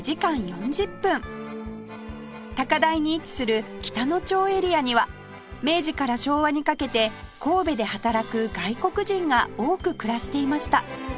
高台に位置する北野町エリアには明治から昭和にかけて神戸で働く外国人が多く暮らしていました